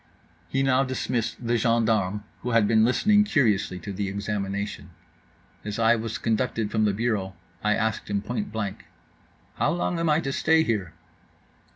He now dismissed the gendarmes, who had been listening curiously to the examination. As I was conducted from the bureau I asked him point blank: "How long am I to stay here?"